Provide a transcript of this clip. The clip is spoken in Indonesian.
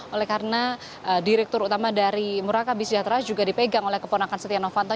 oleh karena direktur utama dari murakabi sejahtera juga dipegang oleh keponakan setia novanto